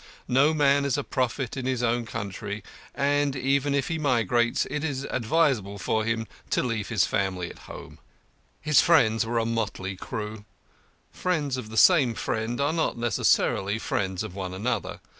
No man is a prophet in his own country, and, even if he migrates, it is advisable for him to leave his family at home. His friends were a motley crew; friends of the same friend are not necessarily friends of one another.